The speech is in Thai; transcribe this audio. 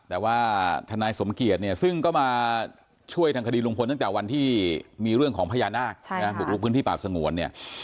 แต่ว่าทนายสมเกียจเนี่ยซึ่งก็มาช่วยทางคดีลุงพลตั้งแต่วันที่มีเรื่องของพญานาคบุกลุกพื้นที่ป่าสงวนเนี่ย